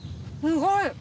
すごい。